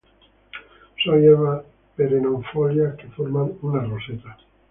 Son hierbas perennifolias que forman una roseta.